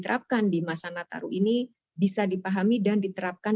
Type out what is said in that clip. terutama dari bidang perusahaan terkait perusahaan perusahaan terkait perusahaan